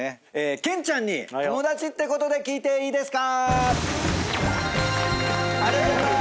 ケンちゃんに友達ってことで聞いていいですか？